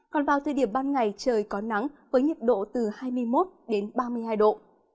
còn vào thời điểm ban ngày trời có nắng với nhiệt độ từ hai mươi một đến ba mươi hai độ